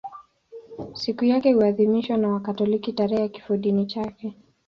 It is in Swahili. Sikukuu yake huadhimishwa na Wakatoliki tarehe ya kifodini chake.